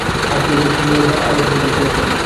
আর সেই উদ্দেশ্য সম্বন্ধে আলোচনা করা চমকপ্রদ।